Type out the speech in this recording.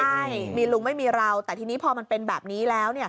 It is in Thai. ใช่มีลุงไม่มีเราแต่ทีนี้พอมันเป็นแบบนี้แล้ว